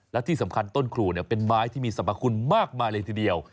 และที่สำคัญต้นครูเป็นไม้ที่มีสรรพคุณมากมายเลยทีเดียว